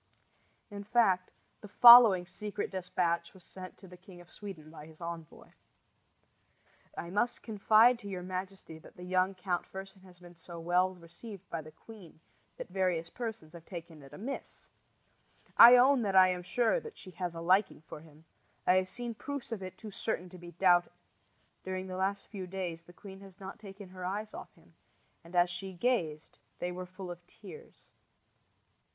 In fact, the following secret despatch was sent to the King of Sweden by his envoy: I must confide to your majesty that the young Count Fersen has been so well received by the queen that various persons have taken it amiss. I own that I am sure that she has a liking for him. I have seen proofs of it too certain to be doubted. During the last few days the queen has not taken her eyes off him, and as she gazed they were full of tears.